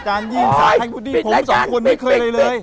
แต่คีย์ไม่ได้เลย